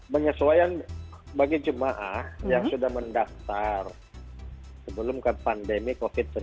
penyesuaian bagi jemaah yang sudah mendaftar sebelum ke pandemi covid sembilan belas